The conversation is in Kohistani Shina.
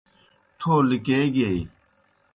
تھو لِکیگیئی۔